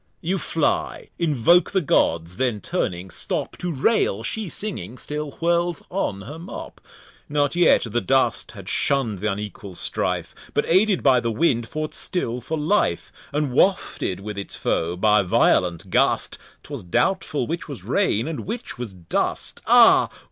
You fly, invoke the Gods; then turning, stop To rail; she singing, still whirls on her Mop. Not yet, the Dust had shun'd th'unequal Strife, But aided by the Wind, fought still for Life; And wafted with its Foe by violent Gust, 'Twas doubtful which was Rain, and which was Dust. Ah!